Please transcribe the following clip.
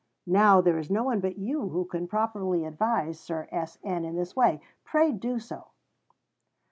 Now, there is no one but you who can properly advise Sir S. N. in this way. Pray do so.